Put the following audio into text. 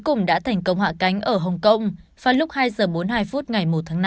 cùng đã thành công hạ cánh ở hong kong vào lúc hai giờ bốn mươi hai phút ngày một tháng năm